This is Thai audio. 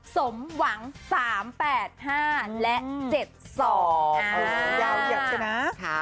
สมหวัง๓๘๕และ๗๒นะ